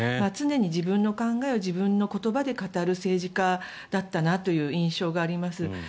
常に自分の考えを自分の言葉で語る政治家だったなという印象があります。